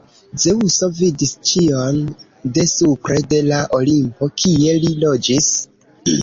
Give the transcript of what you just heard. Zeŭso vidis ĉion de supre, de la Olimpo, kie li loĝis.